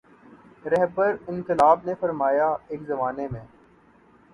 رہبرانقلاب نے فرمایا ایک زمانے میں